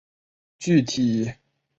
具体参见醛基与羧基。